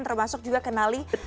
termasuk juga kenali